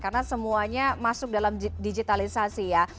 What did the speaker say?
karena semuanya masuk dalam digitalisasi ya